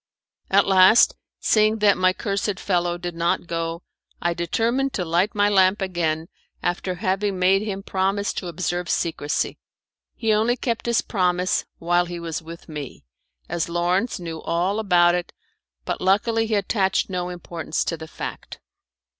At last, seeing that my cursed fellow did not go, I determined to light my lamp again after having made him promise to observe secrecy. He only kept his promise while he was with me, as Lawrence knew all about it, but luckily he attached no importance to the fact.